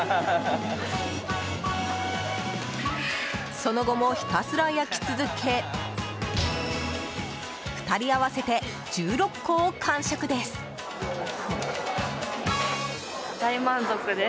その後も、ひたすら焼き続け２人合わせて１６個を完食です。